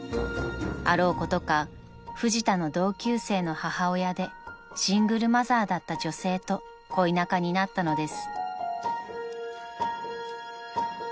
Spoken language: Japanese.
［あろうことかフジタの同級生の母親でシングルマザーだった女性と恋仲になったのです］